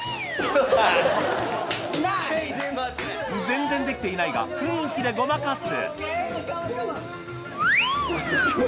全然できていないが雰囲気でごまかすＯＫ！